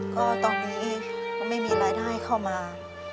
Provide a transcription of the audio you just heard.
ก็ตอนนี้ก็ไม่มีรายได้เข้ามา